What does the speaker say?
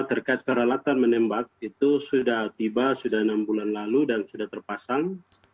terkait peralatan menembak itu sudah tiba sudah enam bulan lalu dan sudah terpasang